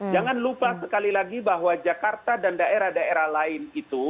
jangan lupa sekali lagi bahwa jakarta dan daerah daerah lain itu